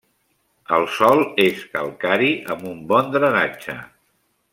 El sòl és calcari amb un bon drenatge.